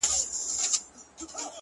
• له فرعون سره وزیر نوم یې هامان وو ,